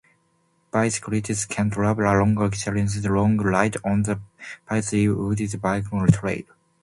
Bicyclists can travel along a challenging long ride on the Paisley Woods Bicycle Trail.